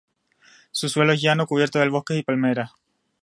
Su suelo es llano, cubierto de bosques y palmeras.